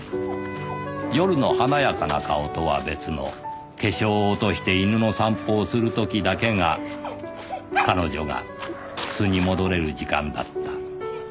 夜の華やかな顔とは別の化粧を落として犬の散歩をする時だけが“彼女”が素に戻れる時間だった